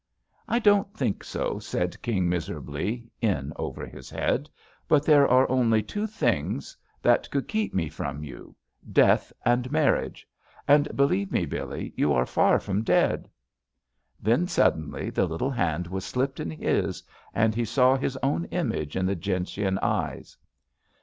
"I don't think so," said King miserably, in over his head, "but there are only two things JUST SWEETHEARTS could keep you from me — death and mar riage. And believe me, Billee, you are far from dead." Then suddenly the little hand was slipped in his and he saw his own image in the gentian eyes.